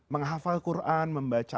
menghafal quran membaca